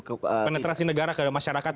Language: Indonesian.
penetrasi negara ke masyarakatnya